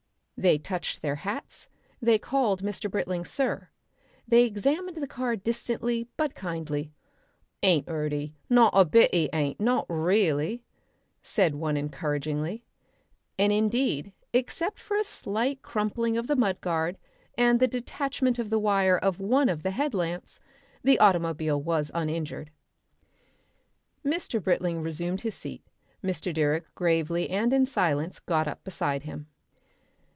They touched their hats, they called Mr. Britling "Sir." They examined the car distantly but kindly. "Ain't 'urt 'e, not a bit 'e ain't, not really," said one encouragingly. And indeed except for a slight crumpling of the mud guard and the detachment of the wire of one of the headlights the automobile was uninjured. Mr. Britling resumed his seat; Mr. Direck gravely and in silence got up beside him.